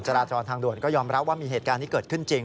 เขายอมรับว่ามีเหตุการณ์ที่เกิดขึ้นจริง